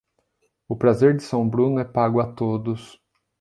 O prazer de São Bruno é pago a todos.